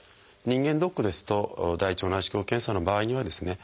人間ドックですと大腸内視鏡検査の場合にはですね